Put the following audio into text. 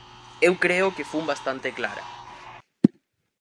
Eu creo que fun bastante clara.